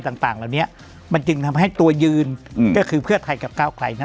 ต่างต่างเหล่านี้มันจึงทำให้ตัวยืนก็คือเพื่อไทยกับก้าวไกลนะ